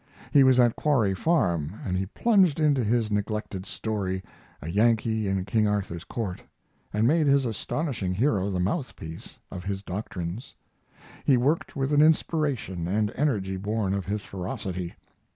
He was at Quarry Farm and he plunged into his neglected story A Yankee in King Arthur's Court and made his astonishing hero the mouthpiece of his doctrines. He worked with an inspiration and energy born of his ferocity.